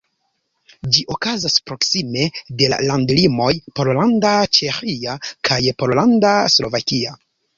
Ĝi okazas proksime de la landlimoj Pollanda-Ĉeĥia kaj Pollanda-Slovakia.